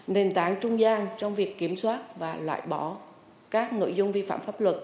nền tảng trung gian trong việc kiểm soát và loại bỏ các nội dung vi phạm pháp luật